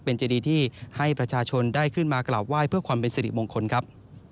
เป็นเจดีที่ให้ประชาชนได้ขึ้นมากราบไหว้เพื่อความเป็นสิริมงคลครับ